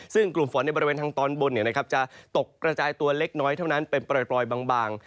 ซึ่งกลุ่มฝนในบริเวณทางตอนบนจะตกกระจายตัวเล็กน้อยเท่านั้นเป็นปล่อยบาง